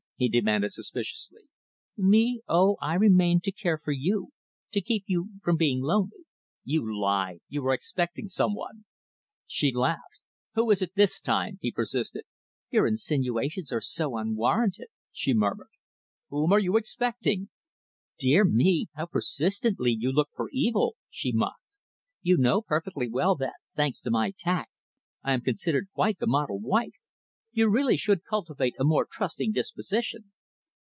he demanded suspiciously. "Me? Oh I remained to care for you to keep you from being lonely." "You lie. You are expecting some one." She laughed. "Who is it this time?" he persisted. "Your insinuations are so unwarranted," she murmured. "Whom are you expecting?" "Dear me! how persistently you look for evil," she mocked. "You know perfectly well that, thanks to my tact, I am considered quite the model wife. You really should cultivate a more trusting disposition."